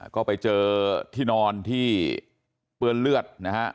ก็ไปเจอที่นอนที่เปื้อนเลือดนะฮะ